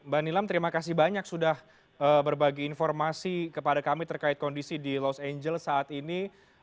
mbak nilam terima kasih banyak sudah berbagi informasi kepada kami terkait kondisi di los angeles saat ini